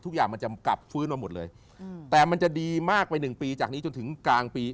ทุกอย่างมันจะกลับฟื้นมาหมดเลยแต่มันจะดีมากไปหนึ่งปีจากนี้จนถึงกลางปี